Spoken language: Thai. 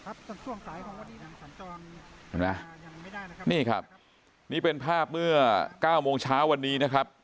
เห็นไหมอ่ายังไม่ได้นะครับนี่ครับนี่เป็นภาพเมื่อเก้าโมงเช้าวันนี้นะครับ